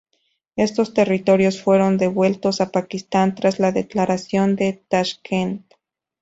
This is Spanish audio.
Estos territorios fueron devueltos a Pakistán tras la Declaración de Tashkent.